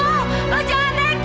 lo jangan nekat deren